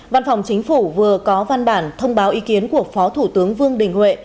văn phòng chính phủ vừa có văn bản thông báo ý kiến của phó thủ tướng vương đình huệ